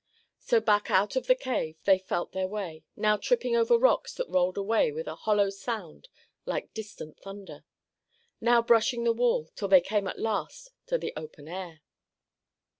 So back out of the cave they felt their way, now tripping over rocks that rolled away with a hollow sound like distant thunder, now brushing the wall, till they came at last to the open air.